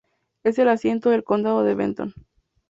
Es el asiento del condado de Benton.